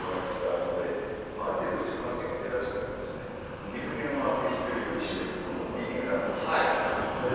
市中感染も広がりつつあるのである程度市中感染が出だしたら水際を必要以上に締めることも意味がなくなってくるんです。